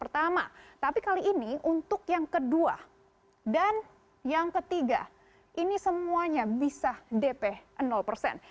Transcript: tapi kali ini untuk yang kedua dan yang ketiga ini semuanya bisa dp persen